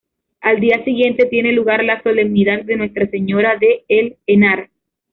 Al día siguiente tiene lugar la Solemnidad de Nuestra Señora de El Henar.